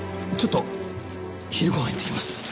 ちょっと昼ご飯行ってきます。